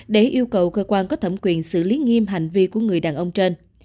để yêu cầu cơ quan có thẩm quyền xử lý nghiêm hành vi của người đàn ông trên